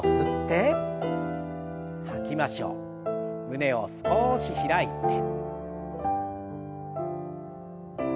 胸を少し開いて。